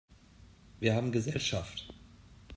Wir haben Gesellschaft!